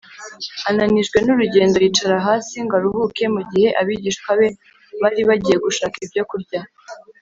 . Ananijwe n’urugendo, yicara hasi ngo aruhuke mu gihe abigishwa be bari bagiye gushaka ibyo kurya